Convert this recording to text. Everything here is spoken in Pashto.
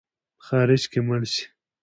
په خارج کې مړ سې.